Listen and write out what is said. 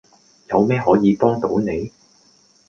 有咩可以幫到你?